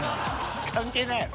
関係ないやろ。